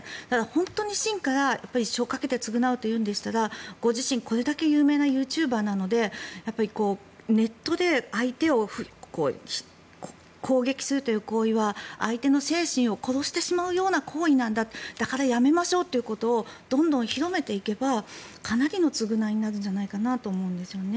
本当に心から一生をかけて償うと言うんでしたらご自身、これだけ有名なユーチューバーなのでネットで相手を攻撃するという行為は相手の精神を殺してしまうような行為なんだだからやめましょうということをどんどん広めていけばかなりの償いになるんじゃないかなと思うんですよね。